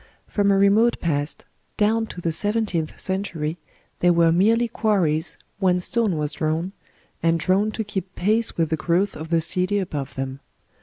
From a remote past down to the Seventeenth Century they were merely quar ries whence stone was drawn, and drawn to keep pace with the growth of the city above them.